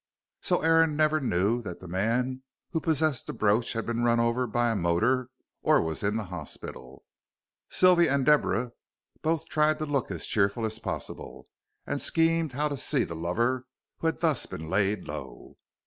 So Aaron never knew that the man who possessed the brooch had been run over by a motor or was in the hospital. Sylvia and Deborah both tried to look as cheerful as possible, and schemed how to see the lover who had thus been laid low.